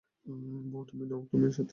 বৌ তুমি নও, তুমি সাথি।